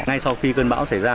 ngay sau khi cơn bão xảy ra